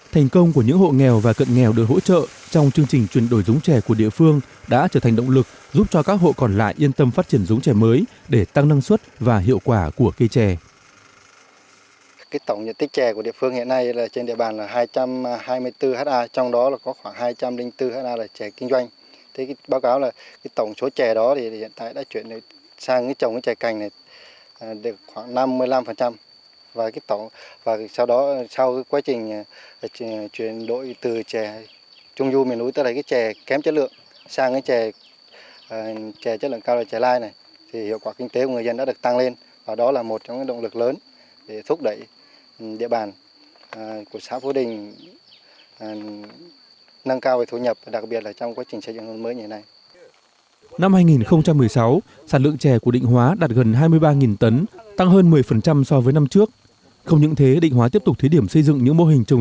thành công của những hộ nghèo và cận nghèo được hỗ trợ trong chương trình chuyển đổi giống trè của địa phương đã trở thành động lực giúp cho các hộ còn lại yên tâm phát triển giống trè mới để tăng năng suất và hiệu quả của cây trè mới để tăng năng suất và hiệu quả của cây trè mới để tăng năng suất và hiệu quả của cây trè mới để tăng năng suất và hiệu quả của cây trè mới để tăng năng suất và hiệu quả của cây trè mới để tăng năng suất và hiệu quả của cây trè mới để tăng năng suất và hiệu quả của cây trè mới để tăng năng suất và hiệu quả của cây trè mới để tăng năng suất và hiệu